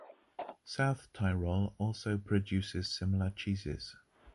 South Tyrol also produces similar cheeses.